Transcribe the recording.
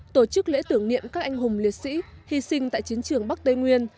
tổ chức lễ tưởng niệm các anh hùng liệt sĩ hy sinh tại chiến trường bắc tây nguyên